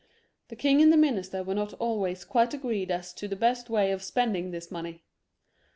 The king and the minister were not always quite agreed as to the best way of spending this money.